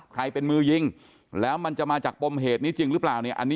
ใครเป็นมือยิงแล้วมันจะมาจากปมเหตุนี้จริงหรือเปล่าเนี่ยอันนี้